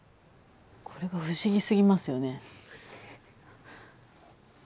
これが不思議すぎますよね。